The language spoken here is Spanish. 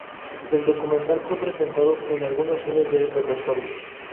El documental fue presentado en algunos cines de repertorio.